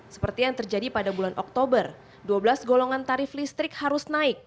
seperti yang terjadi pada bulan oktober dua belas golongan tarif listrik harus naik